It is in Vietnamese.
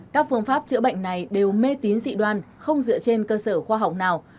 các phương pháp chữa bệnh này đều mê tín dị đoan không dựa trên cơ sở khoa học nào